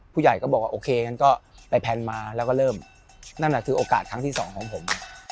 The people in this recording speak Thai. ผู้ใหญ่ก็บอกว่าโอเคงั้นก็ไปแพลนมาแล้วก็เริ่มนั่นแหละคือโอกาสครั้งที่สองของผม